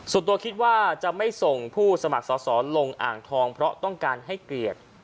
ส่วนตัวคิดว่าจะไม่ส่งผู้สมัครสอสอลงอ่างทองเพราะต้องการให้เกลียด